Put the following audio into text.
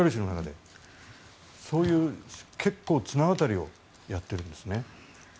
結構、綱渡りをやっているんですね。